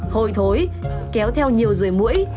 hồi thối kéo theo nhiều rời mũi